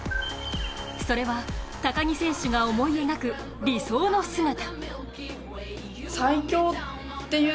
それは、高木選手が思い描く理想の姿。